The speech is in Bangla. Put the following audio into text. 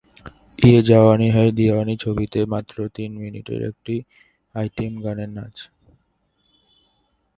ইয়ে জাওয়ানি হ্যায় দিওয়ানি ছবিতে মাত্র তিন মিনিটের একটি আইটেম গানের নাচ।